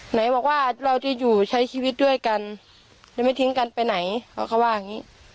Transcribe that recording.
ไหนบอกว่าเราจะอยู่ใช้ชีวิตด้วยกันจะไม่ทิ้งกันไปไหนเขาก็ว่าอย่างนี้